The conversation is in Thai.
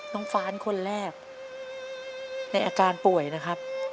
ฟ้านคนแรกในอาการป่วยนะครับ